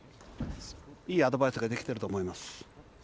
いいアドバイスができてると思います。